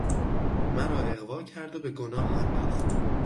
مرا اغوا کرد و به گناه انداخت